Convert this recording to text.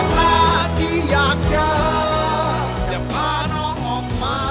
กลับมาที่อยากเจอจะพาน้องออกมา